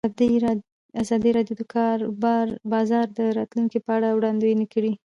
ازادي راډیو د د کار بازار د راتلونکې په اړه وړاندوینې کړې.